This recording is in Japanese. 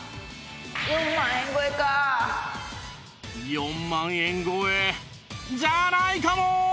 ４万円超えじゃないかも！